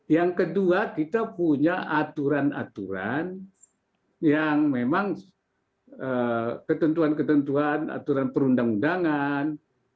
yang kedua kita punya aturan aturan yang memang ketentuan ketentuan aturan perundang undangan